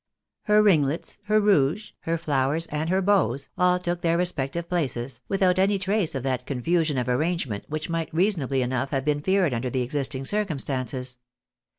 Her ringlets, her rouge, her flowers, and her bows, aU took their respective places, without any trace of that confusion of arrangement which might reasonably enough have been feared under the existing circumstances.